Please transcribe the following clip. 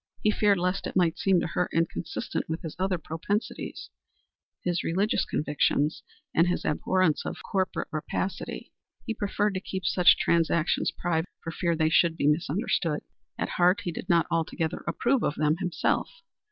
He feared lest it might seem to her inconsistent with his other propensities his religious convictions and his abhorrence of corporate rapacity. He preferred to keep such transactions private for fear they should be misunderstood. At heart he did not altogether approve of them himself.